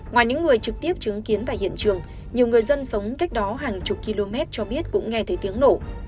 ngoài những người trực tiếp chứng kiến tại hiện trường nhiều người dân sống cách đó hàng chục km cho biết cũng nghe thấy tiếng nổ